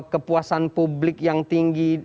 kepuasan publik yang tinggi